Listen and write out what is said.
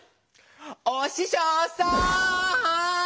おししょうさん！